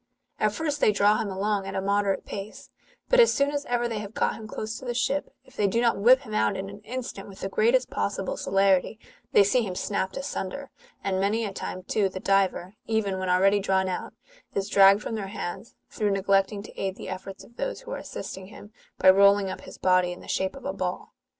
At first they draw him along at a moderate pace, bat as soon as ever they have got him close to the ship, if they do not whip him out in an instant, with the greatest possible celerity, they see him snapped asunder ; and many a time, too, the diver, even when already drawn out, is dragged from their hands, through neglecting to aid the efforts of those who are assisting him, by rolling up his body in the shape of a ball.